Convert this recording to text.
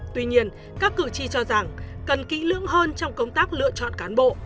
tuy nhiên các cử tri cho rằng cần kỹ lưỡng hơn trong công tác lựa chọn cán bộ